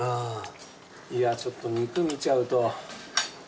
いやちょっと肉見ちゃうと。